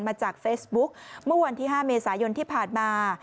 มาจากเฟซบุ๊คเมื่อวันที่๕เมษายนที่ผ่านมา